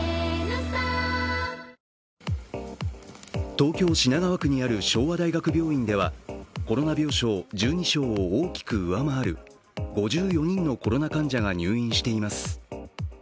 東京・品川区にある昭和大学病院では、コロナ病床１２床を大きく上回る５４人のコロナ患者が入院しています。